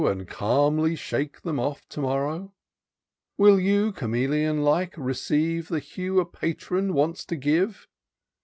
And calmly shake them off to morrow ? Will you, chameleon like, receive The hue a patron wants to give